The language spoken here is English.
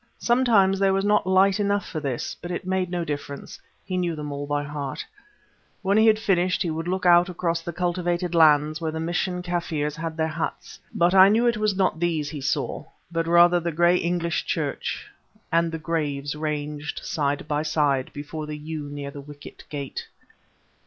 Sometimes there was not light enough for this, but it made no difference, he knew them all by heart. When he had finished he would look out across the cultivated lands where the mission Kaffirs had their huts. But I knew it was not these he saw, but rather the grey English church, and the graves ranged side by side before the yew near the wicket gate.